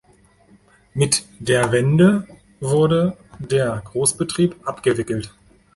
Mit der Wende wurde der Großbetrieb abgewickelt.